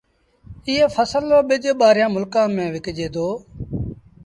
ايئي ڦسل رو ٻج ٻآهريآݩ ملڪآݩ ميݩ وڪجي دو۔